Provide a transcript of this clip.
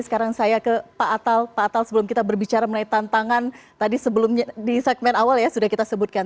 sekarang saya ke pak atal pak atal sebelum kita berbicara mengenai tantangan tadi sebelumnya di segmen awal ya sudah kita sebutkan